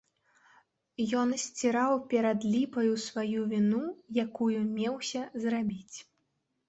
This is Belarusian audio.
Ён сціраў перад ліпаю сваю віну, якую меўся зрабіць.